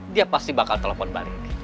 dia pasti bakal telepon balik